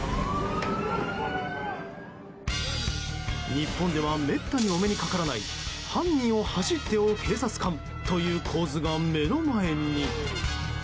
日本ではめったにお目にかからない犯人を走って追う警察官という構図が目の前に。